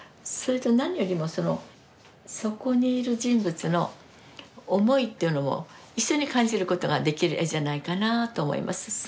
それと何よりもそのそこにいる人物の思いっていうのも一緒に感じることができる絵じゃないかなあと思います。